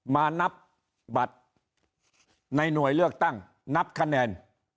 มานับบัตรในหน่วยเลือกตั้งนับคะแนน